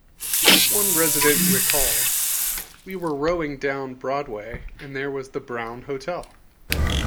One resident recalled: We were rowing down Broadway and there was The Brown Hotel.